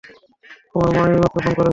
তোমার মা এইমাত্র ফোন করেছে।